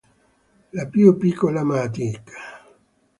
La più piccola matic.